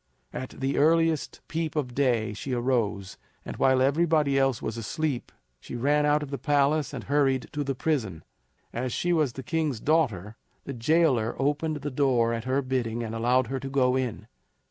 At the earliest peep of day she arose, and while everybody else was asleep, she ran out of the palace and hurried to the prison. As she was the king's daughter, the jailer opened the door at her bidding and allowed her to go in.